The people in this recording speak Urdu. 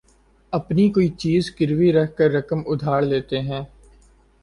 اپنی کوئی چیز گروی رکھ کر رقم ادھار لیتے ہیں